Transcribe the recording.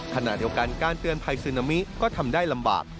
ขณะเดียวกันการเตือนภัยซึนามิก็ทำได้ลำบาก